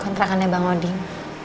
kontrakannya bang odin